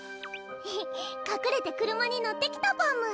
エヘッかくれて車に乗ってきたパム！